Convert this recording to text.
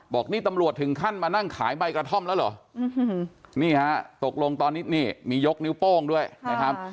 บอกนี่ตำรวจถึงขั้นมานั่งขายใบกระท่อมแล้วเหรอนี่ฮะตกลงตอนนี้นี่มียกนิ้วโป้งด้วยนะครับ